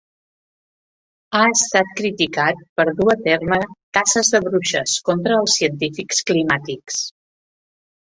Ha estat criticat per dur a terme "caces de bruixes" contra els científics climàtics.